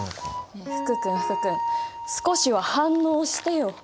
ねえ福君福君少しは反応してよ。